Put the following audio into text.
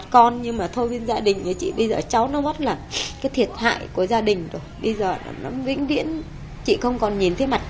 con trai đã trở nên tan tác